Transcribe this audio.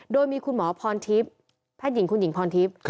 โดยมีคุณหมอพรทิพย์แพทย์หญิงคุณหญิงพรทิพย์